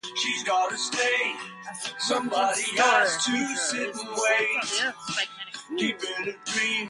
A significant story feature is the state of the Earth's magnetic field.